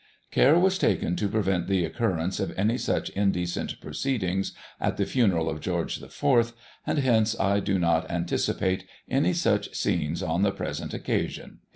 Care was taken to prevent the occurrence of any such indecent proceedings at the fimeral of George IV., and, hence, I do not anticipate any such scenes on the present occasion.'"